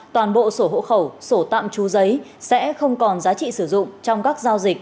toàn bộ sổ hộ khẩu sổ tạm trú giấy sẽ không còn giá trị sử dụng trong các giao dịch